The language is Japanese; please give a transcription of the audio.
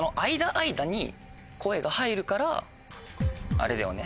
あれだよね